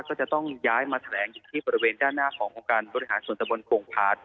ก็จะต้องย้ายมาแถลงอยู่ที่บริเวณด้านหน้าขององค์การบริหารส่วนตะบนโป่งพาร์ท